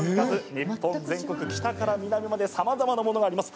日本全国、北から南までさまざまなものがあります。